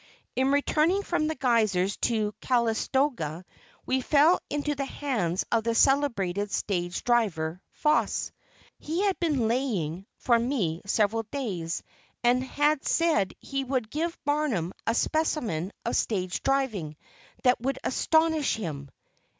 In returning from the Geysers to Calistoga we fell into the hands of the celebrated stage driver, Foss. He had been "laying" for me several days, and had said he would "give Barnum a specimen of stage driving that would astonish him."